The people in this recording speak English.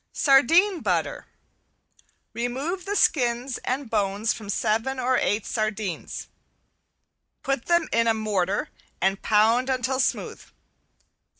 ~SARDINE BUTTER~ Remove the skins and bones from seven or eight sardines; put them in a mortar and pound until smooth.